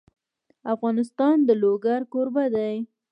افغانستان د لوگر کوربه دی.